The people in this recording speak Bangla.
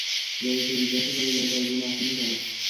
ললিতা জিজ্ঞাসা করিল, এ কদিন আসেন নি কেন?